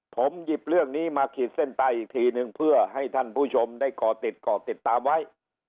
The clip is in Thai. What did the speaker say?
ผมหยิบเรื่องนี้มาขีดเส้นใต้อีกทีนึงเพื่อให้ท่านผู้ชมได้ก่อติดก่อติดตามไว้